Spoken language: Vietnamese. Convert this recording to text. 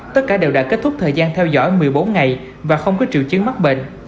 tất cả đều đã kết thúc thời gian theo dõi một mươi bốn ngày và không có triệu chiến mắc bệnh